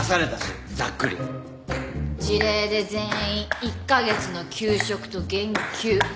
辞令で全員１カ月の休職と減給。